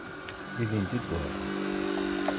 Ilindi i d-teḍra.